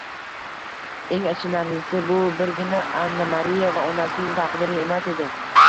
Eng achinarlisi, bu birgina Anna-Mariya va onasining taqdiri emas edi